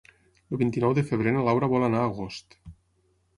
El vint-i-nou de febrer na Laura vol anar a Agost.